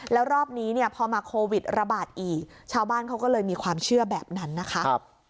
แล้วรอบนี้เนี่ยพอมาโควิดระบาดอีกชาวบ้านเขาก็เลยมีความเชื่อแบบนั้นนะคะ